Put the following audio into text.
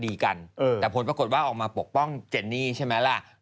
ดีกันแต่ผลปรากฏว่าออกมาปกป้องเจนนี่ใช่ไหมล่ะ